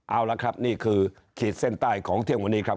เอาละครับนี่คือขีดเส้นใต้ของเที่ยงวันนี้ครับ